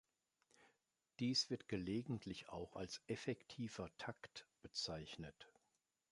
Dies wird gelegentlich auch als "effektiver Takt" bezeichnet.